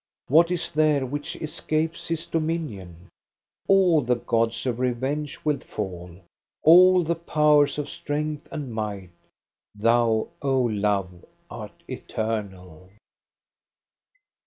What is there which escapes his dominion ? All the gods of revenge will fall, all the powers of strength and might. Thou, O Love, art eternal!